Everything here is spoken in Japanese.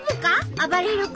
あばれる君！